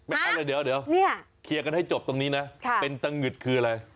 เดี๋ยวเคลียร์กันให้จบตรงนี้นะเป็นตะหงึดคืออะไร